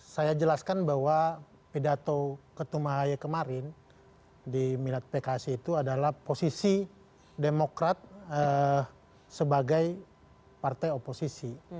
saya jelaskan bahwa pedato ketumahaya kemarin di milad pks itu adalah posisi demokrat sebagai partai oposisi